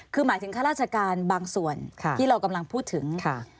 คือหมายถึงข้าราชการบางส่วนที่เรากำลังพูดถึง